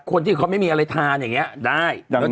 คนที่เขาไม่มีอะไรทานอย่างนี้ได้